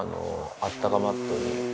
あったかマットに。